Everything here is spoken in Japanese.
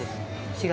４月。